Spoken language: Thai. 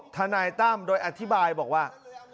ทนายตั้มโดยอธิบายบอกว่า